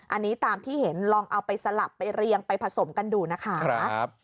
อันนี้ตามที่เห็นลองเอาไปสลับไปเรียงไปผสมกันดูนะคะ